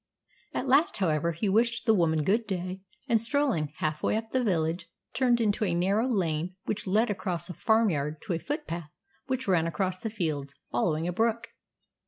At last, however, he wished the woman good day, and, strolling half way up the village, turned into a narrow lane which led across a farmyard to a footpath which ran across the fields, following a brook.